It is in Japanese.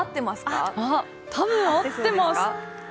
あっ、多分合ってます。